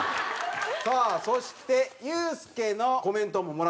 さあそしてユースケのコメントももらってますよ。